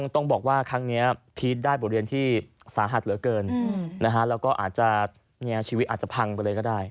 ต้องบอกว่าครั้งนี้พีชได้บทเรียนที่สาหัสเหลือเกินแล้วก็อาจจะชีวิตอาจจะพังไปเลยก็ได้